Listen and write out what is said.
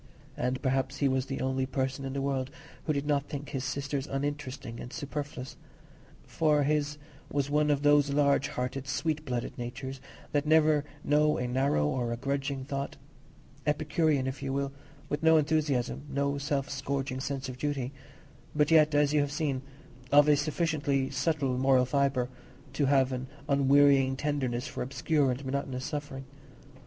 And perhaps he was the only person in the world who did not think his sisters uninteresting and superfluous; for his was one of those large hearted, sweet blooded natures that never know a narrow or a grudging thought; Epicurean, if you will, with no enthusiasm, no self scourging sense of duty; but yet, as you have seen, of a sufficiently subtle moral fibre to have an unwearying tenderness for obscure and monotonous suffering.